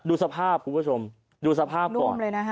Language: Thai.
ดูสภาพคุณผู้ชมดูสภาพก่อน